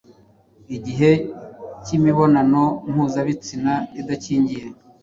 igihe k’imibonano mpuzabitsina idakingiye.